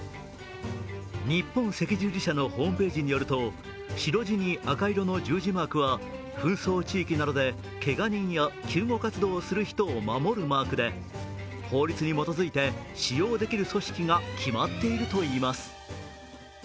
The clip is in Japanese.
日本赤十字社のホームページによると白地に赤色の十字マークは紛争地域などでけが人や救護活動をする人を守るマークで法律に基づいて使用できる組織が決まっているといいます。